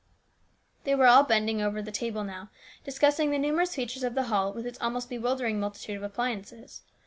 They were all bending over the table now, discussing the numerous features of the hall with its almost bewildering multitude of appliances.